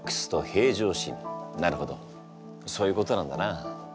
そういうことなんだな。